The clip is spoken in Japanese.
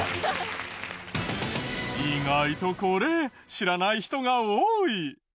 意外とこれ知らない人が多い。